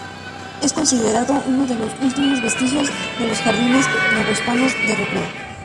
Es considerado uno de los últimos vestigios de los jardines novohispanos de recreo.